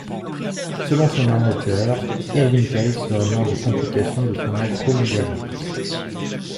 Selon son manager, Irwin Keyes serait mort de complications de son acromégalie.